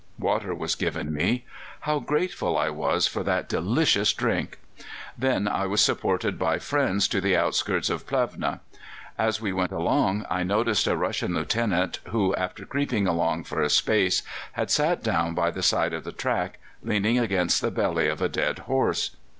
Water was given me. How grateful I was for that delicious drink! Then I was supported by friends to the outskirts of Plevna. As we went along I noticed a Russian Lieutenant who, after creeping along for a space, had sat down by the side of the track, leaning against the belly of a dead horse.